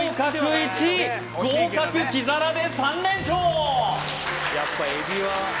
１合格黄皿で３連勝！